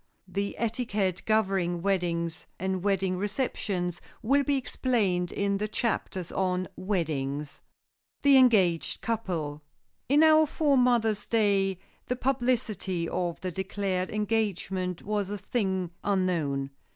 The etiquette governing weddings and wedding receptions will be explained in the chapters on "Weddings." [Sidenote: THE ENGAGED COUPLE] In our foremothers' day the publicity of the declared engagement was a thing unknown.